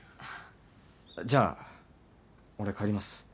じゃあ俺帰ります。